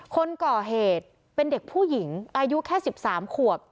คนก่อเหตุเป็นเด็กผู้หญิงอายุแค่๑๓ขวบ